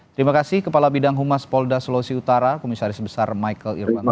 terima kasih kepala bidang humas polda sulawesi utara komisaris besar michael irwanto